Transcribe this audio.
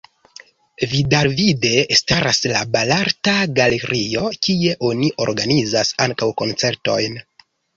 Vidalvide staras la Belarta Galerio, kie oni organizas ankaŭ koncertojn.